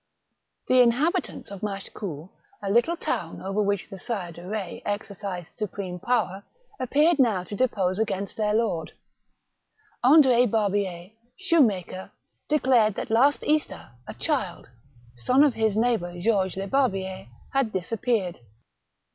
The inhabitants of Machecoul, a little town over which the Sire de Eetz exercised supreme power, appeared now to depose against their lord. Andr6 Barbier, shoe maker, declared that last Easter, a child, son of his neigh bour Georges Lebarbier, had disappeared.